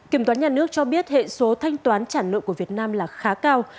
kiểm toán nhà nước cho biết hệ số thanh toán trả nợ của việt nam là khá cao